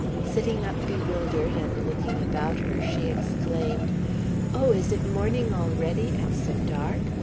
Sitting up bewildered, and looking about her, she exclaimed, "Oh, is it morning already, and so dark?